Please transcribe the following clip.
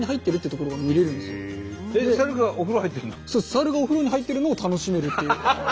サルがお風呂に入ってるのを楽しめるっていう。